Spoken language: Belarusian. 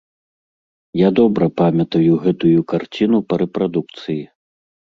Я добра памятаю гэтую карціну па рэпрадукцыі.